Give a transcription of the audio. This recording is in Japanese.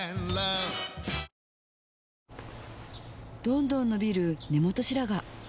どんどん伸びる根元白髪